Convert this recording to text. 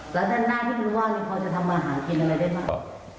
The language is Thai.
แล้วด้านหน้าที่มันว่างเนี่ยเขาจะทำอาหารกินอะไรได้ไหม